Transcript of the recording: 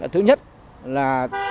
thứ nhất là